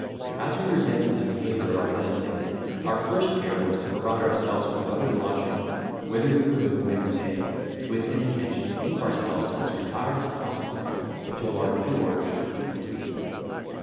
As we resented the behaviour of our landlady, our first care was to provide ourselves with another lodging, whither we removed next day, with an intention to keep ourselves as retired as possible, until our cure should be completed.